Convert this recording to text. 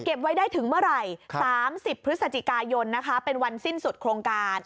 ไว้ได้ถึงเมื่อไหร่๓๐พฤศจิกายนนะคะเป็นวันสิ้นสุดโครงการ